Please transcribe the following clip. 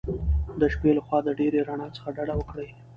د شپې له خوا د ډېرې رڼا څخه ډډه وکړئ.